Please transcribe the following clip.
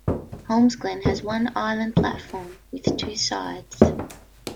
Holmesglen has one island platform with two sides.